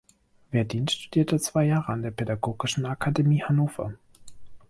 Werdin studierte zwei Jahre an der Pädagogischen Akademie Hannover.